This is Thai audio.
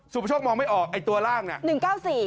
สุประโชคมองไม่ออกตัวร่างนี่